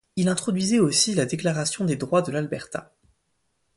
Il introduisait aussi la Déclaration des droits de l'Alberta.